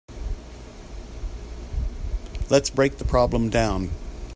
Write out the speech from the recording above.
Let's break the problem down.